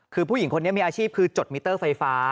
คือผู้หญิงคนนี้มีอาชีพคือจดมิเตอร์ไฟฟ้า